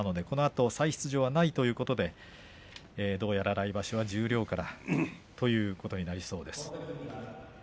このあと再出場はないということでどうやら来場所は十両ということになりそうです。